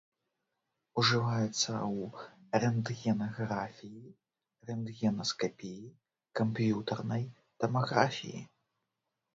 Ужываецца ў рэнтгенаграфіі, рэнтгенаскапіі, камп'ютарнай тамаграфіі.